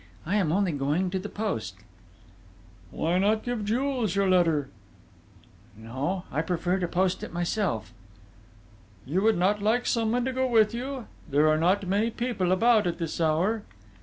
I am only going to the post...." "Why not give Jules your letter?" "No, I prefer to post it myself." "You would not like someone to go with you? There are not many people about at this hour...."